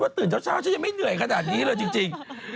ผมตื่นเท่าฉันไม่เงื่อยขนาดนี้เลยจริง